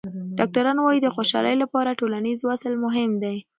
ډاکټران وايي د خوشحالۍ لپاره ټولنیز وصل مهم دی.